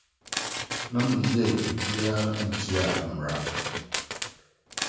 Na menyɛɛ biribiara a etia mmara.